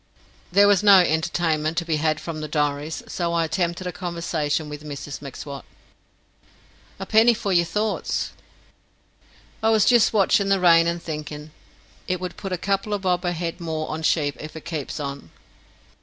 There was no entertainment to be had from the diaries, so I attempted a conversation with Mrs M'Swat. "A penny for your thoughts." "I wuz jist watchin' the rain and thinkin' it would put a couple a bob a head more on sheep if it keeps on."